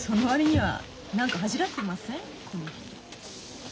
この人。